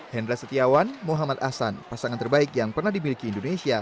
hendra setiawan muhammad ahsan pasangan terbaik yang pernah dimiliki indonesia